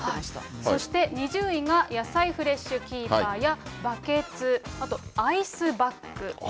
そして２０位が野菜フレッシュキーパーやバケツ、あとアイスバッグ。